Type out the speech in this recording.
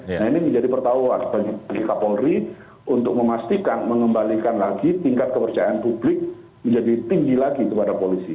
nah ini menjadi pertahuan bagi kapolri untuk memastikan mengembalikan lagi tingkat kepercayaan publik menjadi tinggi lagi kepada polisi